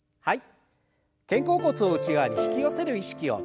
はい。